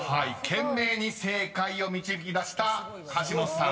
［懸命に正解を導き出した橋本さん。